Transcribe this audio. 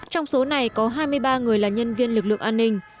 trong số này có hai mươi ba người là nhân viên lực lượng an ninh